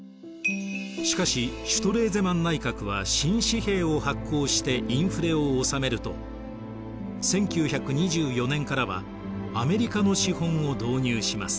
しかしシュトレーゼマン内閣は新紙幣を発行してインフレを収めると１９２４年からはアメリカの資本を導入します。